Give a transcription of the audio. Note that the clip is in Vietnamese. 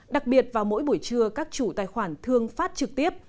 đặc biệt vào mỗi buổi trưa các chủ tài khoản thương phát trực tiếp